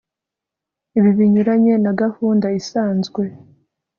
Ibi binyuranye na gahunda isanzwe